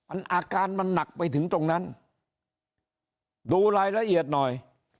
มันอาการมันหนักไปถึงตรงนั้นดูรายละเอียดหน่อย